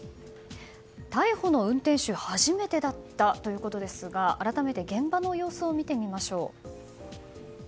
逮捕の運転手初めてだったということですが改めて現場の様子を見てみましょう。